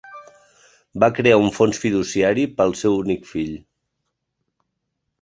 Va crear un fons fiduciari per al seu únic fill.